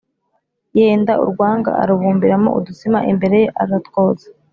yenda urwanga arubumbiramo udutsima imbere ye, aratwotsa.